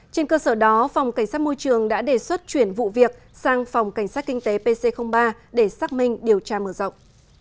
trên cơ sở đó phòng cảnh sát môi trường đã đề xuất chuyển vụ việc sang phòng cảnh sát kinh tế pc ba để xác minh điều tra mở rộng